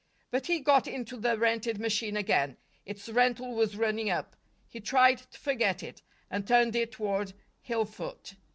But he got into the rented machine again its rental was running up; he tried to forget it and turned it toward Hillfoot.